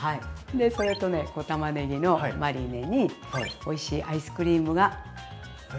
それとね小たまねぎのマリネにおいしいアイスクリームがつきます。